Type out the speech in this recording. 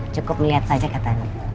cukup melihat saja kata andin